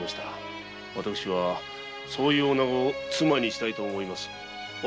そういう女子を妻にしたいと思います。